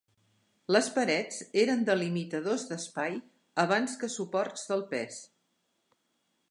Les parets eren delimitadors d'espai abans que suports del pes.